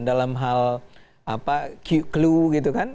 dalam hal apa clue gitu kan